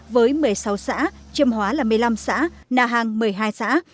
với một mươi sáu xã chiêm hóa là một mươi năm xã na hàng một mươi hai xã